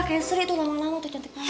kayak sri itu lama lama tuh cantik banget